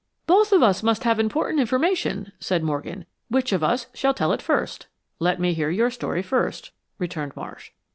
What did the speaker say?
"Both of us must have important information," said Morgan. "Which of us, shall tell it first?" "Let me hear your story first," returned Marsh.